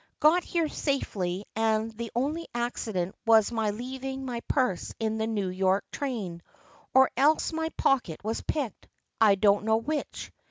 Got here safely and the only accident was my leav ing my purse in the New York train, or else my pocket was picked, I don't know which.